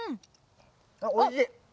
おいしい。